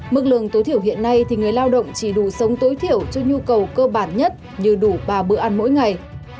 mức lương tối thiểu hiện nay thì người lao động chỉ đủ sống tối thiểu cho nhu cầu cơ bản nhất như đủ ba bữa ăn mỗi ngày